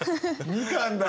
みかんだ！